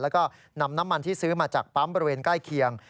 แล้วก็นำน้ำมันที่ซื้อมาจากปั๊มบริเวณใกล้เคียง